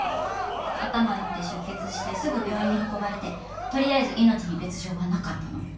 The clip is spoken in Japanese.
頭打って出血してすぐ病院に運ばれてとりあえず命に別状はなかったの。